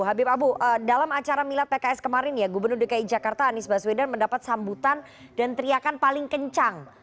habib abu dalam acara milad pks kemarin ya gubernur dki jakarta anies baswedan mendapat sambutan dan teriakan paling kencang